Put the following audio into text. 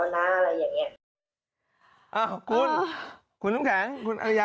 ในคำว่าเป่าจนตลอดแต่ของหนูก็คือหนูอยากว่า